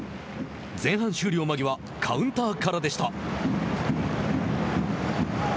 前半終了間際カウンターからでした。